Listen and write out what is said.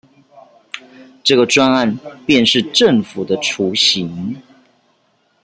這個專案便是政府的雛形